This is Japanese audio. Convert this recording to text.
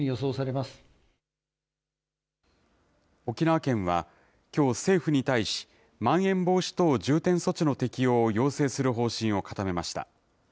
沖縄県はきょう政府に対し、まん延防止等重点措置の適用を要請する方針を固めました。